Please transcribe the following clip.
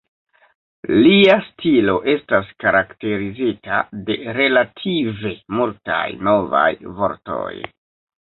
Lia stilo estas karakterizita de relative multaj "novaj" vortoj.